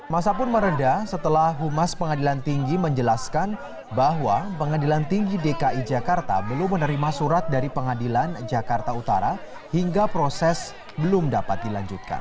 masa pun meredah setelah humas pengadilan tinggi menjelaskan bahwa pengadilan tinggi dki jakarta belum menerima surat dari pengadilan jakarta utara hingga proses belum dapat dilanjutkan